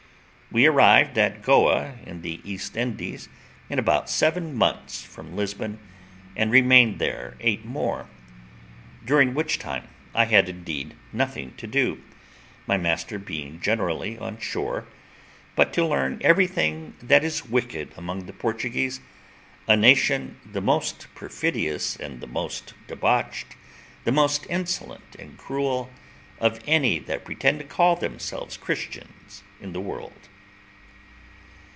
We arrived at Goa, in the East Indies, in about seven months from Lisbon, and remained there eight more; during which time I had indeed nothing to do, my master being generally on shore, but to learn everything that is wicked among the Portuguese, a nation the most perfidious and the most debauched, the most insolent and cruel, of any that pretend to call themselves Christians, in the world.